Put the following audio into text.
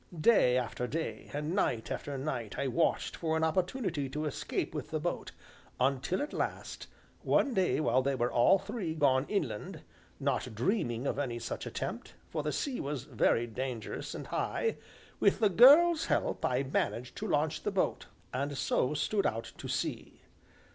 Day after day, and night after night, I watched for an opportunity to escape with the boat, until at last, one day while they were all three gone inland, not dreaming of any such attempt, for the sea was very dangerous and high, with the girl's help I managed to launch the boat, and so stood out to sea.